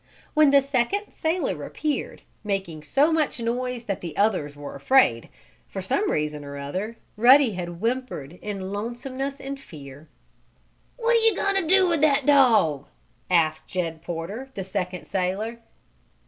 When the second sailor appeared, making so much noise that the others were afraid, for some reason or other, Ruddy had whimpered in lonesomeness and fear. "What you going to do with that dog?" asked Jed Porter, the second sailor.